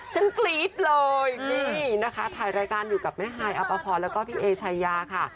กรี๊ดเลยนี่นะคะถ่ายรายการอยู่กับแม่ฮายอัปพรแล้วก็พี่เอชายาค่ะ